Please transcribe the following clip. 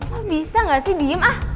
lo bisa gak sih diem ah